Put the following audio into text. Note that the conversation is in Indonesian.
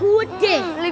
hah itu mah pak